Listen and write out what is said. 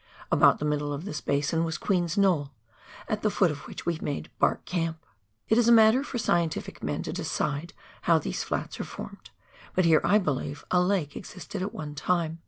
About the middle of this basin was Queen's Knoll, at the foot of which we made " Bark " Camp. It is a matter for scientific men to decide how these flats are formed, but here I believe a lake existed at one time.